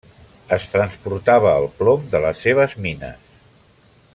Es transportava el plom de les seves mines.